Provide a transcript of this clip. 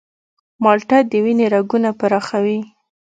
مالټه د وینې رګونه پراخوي.